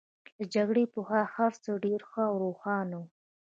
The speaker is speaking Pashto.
له جګړې پخوا هرڅه ډېر ښه او روښانه وو